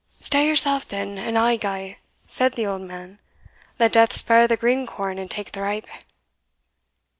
"Stay yoursell then, and I'll gae," said the old man; "let death spare the green corn and take the ripe."